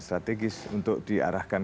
strategis untuk diarahkan